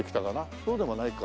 そうでもないか。